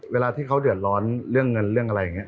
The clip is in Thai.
เวลาที่เขาเดือดร้อนเรื่องเงินเรื่องอะไรอย่างนี้